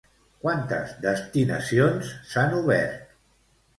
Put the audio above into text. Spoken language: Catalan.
Quantes destinacions s'han obert?